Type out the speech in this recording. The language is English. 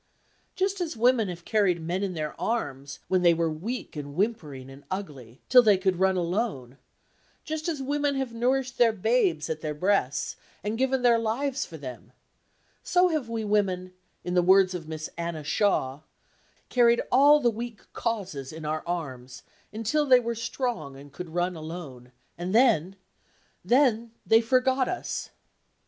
Just as women have carried men in their arms, when they were weak and whimpering and ugly, till they could run alone; just as women have nourished the babes at their breasts, and given their lives for them, so have we women (in the words of Miss Anna Shaw) "carried all the weak causes in our arms, until they were strong and could run alone, and then—then—they forgot us!"